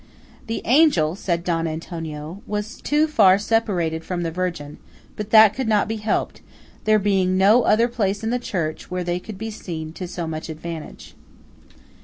"The Angel," said Don Antonio, "was too far separated from the Virgin; but that could not be helped, there being no other place in the church where they could be seen to so much advantage."